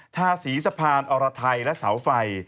ทาสีสะพานอรไทยและเสาไฟ